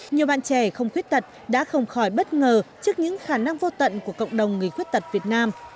nhiều bạn trẻ không khuyết tật đã không khỏi bất ngờ trước những khả năng vô tận của cộng đồng người khuyết tật việt nam